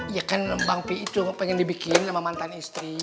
ya kan bang pi itu pengen dibikin sama mantan istri